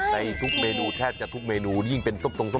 ในทุกเมนูแทบจะทุกเมนูยิ่งเป็นส้มตรงส้ม